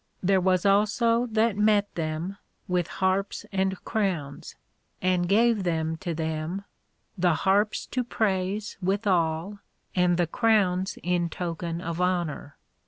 There was also that met them with Harps and Crowns, and gave them to them, the Harps to praise withal, and the Crowns in token of honour.